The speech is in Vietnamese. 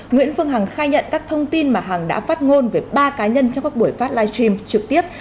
nguyễn phương hằng khai nhận các thông tin mà hằng đã phát ngôn về ba cá nhân trong các buổi phát live stream trực tiếp